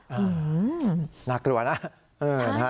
อืมน่ากลัวนะ